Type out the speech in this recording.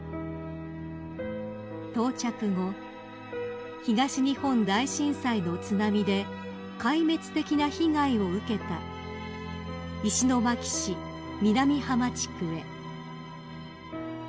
［到着後東日本大震災の津波で壊滅的な被害を受けた石巻市南浜地区へ］